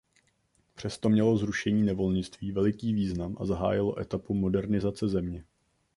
Přesto mělo zrušení nevolnictví veliký význam a zahájilo etapu modernizace země.